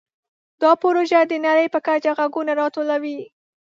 دا پروژه د نړۍ په کچه غږونه راټولوي.